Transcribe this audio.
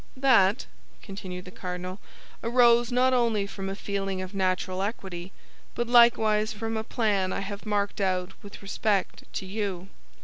"That," continued the cardinal, "arose not only from a feeling of natural equity, but likewise from a plan I have marked out with respect to you."